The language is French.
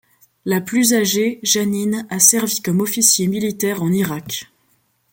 La plus âgée, Jeanine, a servi comme officier militaire en Irak.